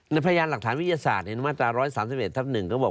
ในพยานหลักฐานวิทยาศาสตร์เนี่ยน้ำอาจารย์๑๓๑ทับ๑ก็บอก